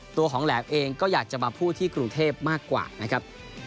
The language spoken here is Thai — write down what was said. ตัวของแหลมเองก็อยากจะมาพูดที่กรุงเทพมากกว่านะครับ